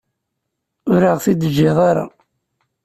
Ur aɣ-t-id-teǧǧiḍ ara.